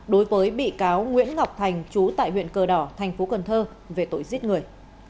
đối với bị cáo nguyễn ngọc thành chú tại huyện cờ đỏ thành phố cần thơ về tội giết người